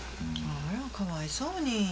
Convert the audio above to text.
あらかわいそうに。